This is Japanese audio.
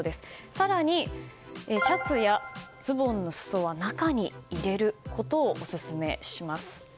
更に、シャツやズボンのすそは中に入れることをお勧めします。